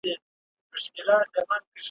له واخانه تر پنجشیره د هري تر منارونو ,